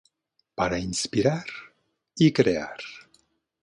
Para inspirar y crear.